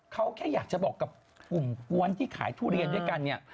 เขาแค่อยากจะบอกกับกลุ่มกวนที่ขายทุเรียนด้วยกันเนี่ย